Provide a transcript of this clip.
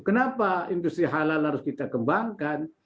kenapa industri halal harus kita kembangkan